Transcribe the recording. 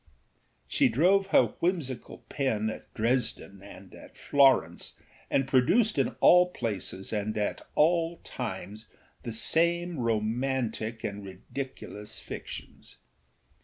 She drove her whimsical pen at Dresden and at Florence, and produced in all places and at all times the same romantic and ridiculous fictions.